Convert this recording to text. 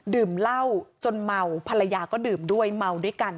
ดื่มเหล้าจนเมาภรรยาก็ดื่มด้วยเมาด้วยกัน